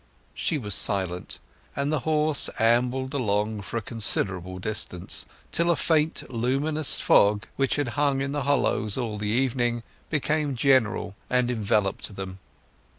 She was silent, and the horse ambled along for a considerable distance, till a faint luminous fog, which had hung in the hollows all the evening, became general and enveloped them.